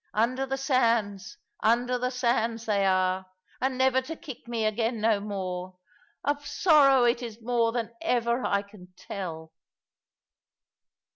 Under the sands, the sands, they are; and never to kick me again no more! Of sorrow it is more than ever I can tell."